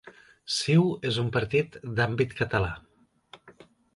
CiU és un partit d'àmbit català.